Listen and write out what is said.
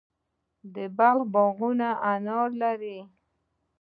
د بلخ باغونه انار لري.